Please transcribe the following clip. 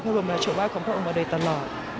พระรวมราชววาของพระองค์มาโดยตลอด